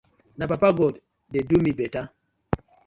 Na papa god dey do mi better.